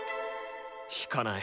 弾かない。